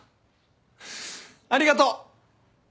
ありがとう！